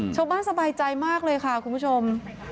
ชาวบ้านสบายใจมากเลยค่ะคุณผู้ชม